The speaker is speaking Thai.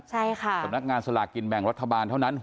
ใช่ค่ะสำนักงานสลากกินแบ่งรัฐบาลเท่านั้น